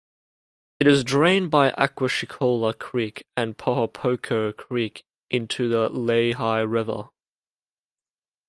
It is drained by Aquashicola Creek and Pohopoco Creek into the Lehigh River.